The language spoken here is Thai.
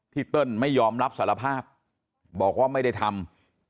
เติ้ลไม่ยอมรับสารภาพบอกว่าไม่ได้ทำ